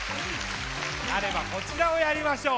なればこちらをやりましょう。